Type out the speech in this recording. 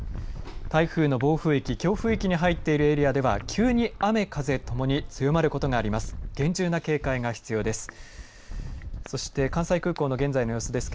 台風の暴風域強風域に入っているエリアでは急に雨風ともに強まることがあります。